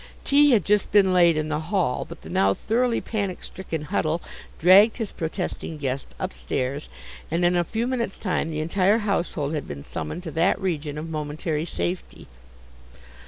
Tea had just been laid in the hall, but the now thoroughly panic stricken Huddle dragged his protesting guest upstairs, and in a few minutes' time the entire household had been summoned to that region of momentary safety.